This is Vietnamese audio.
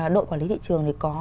đội quản lý thị trường thì có